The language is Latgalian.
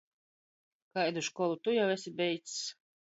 Kaidu školu tu jau esi beidzs?